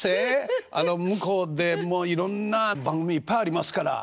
あの向こうでもういろんな番組いっぱいありますから。